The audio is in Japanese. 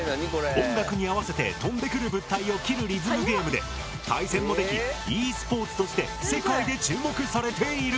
音楽に合わせて飛んでくる物体を切るリズムゲームで対戦もできｅスポーツとして世界で注目されている。